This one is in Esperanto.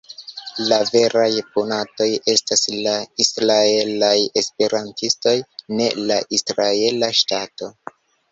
La veraj punatoj estas la israelaj esperantistoj, ne la israela ŝtato.